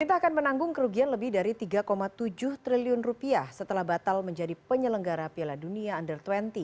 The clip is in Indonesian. pemerintah akan menanggung kerugian lebih dari tiga tujuh triliun rupiah setelah batal menjadi penyelenggara piala dunia under dua puluh